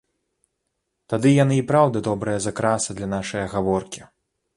Тады яны і праўда добрая закраса для нашае гаворкі.